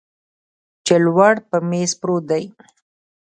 چې لوړ پر میز پروت دی